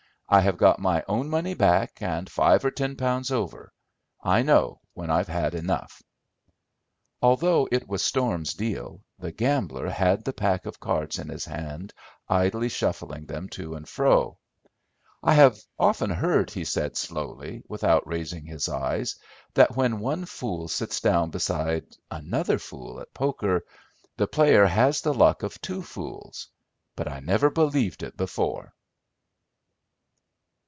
I have got my own money back and five or ten pounds over. I know when I've had enough." Although it was Storm's deal, the gambler had the pack of cards in his hand idly shuffling them to and fro. "I have often heard," he said slowly without raising his eyes, "that when one fool sits down beside another fool at poker, the player has the luck of two fools—but I never believed it before."